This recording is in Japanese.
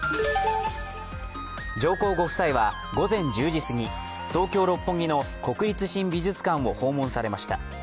上皇ご夫妻は午前１０時すぎ、東京・六本木の国立新美術館を訪問されました。